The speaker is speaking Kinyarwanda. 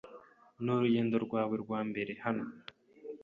Nurugendo rwawe rwa mbere hano?